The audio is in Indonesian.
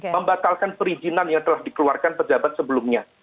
membatalkan perizinan yang telah dikeluarkan pejabat sebelumnya